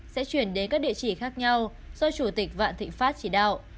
sẽ chuyển đến các địa chỉ khác nhau do chủ tịch vạn thịnh pháp chỉ đạo